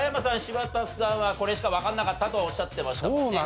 柴田さんはこれしかわからなかったとおっしゃってましたもんね。